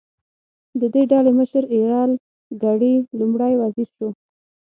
د دې ډلې مشر ایرل ګرې لومړی وزیر شو.